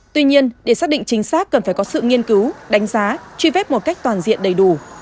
tuy nhiên để xác định chính xác cần phải có sự nghiên cứu đánh giá truy vết một cách toàn diện đầy đủ